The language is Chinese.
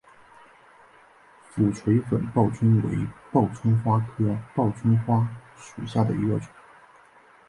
俯垂粉报春为报春花科报春花属下的一个种。